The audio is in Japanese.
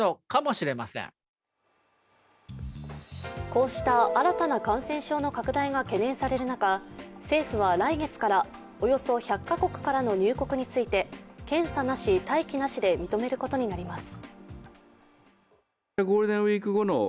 こうした新たな感染症の拡大が懸念される中政府は来月からおよそ１００カ国からの入国について検査なし、待機なしで認めることになります。